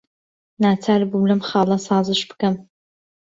ناچار بووم لەم خاڵە سازش بکەم.